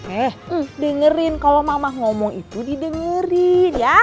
eh dengerin kalau mama ngomong itu didengerin ya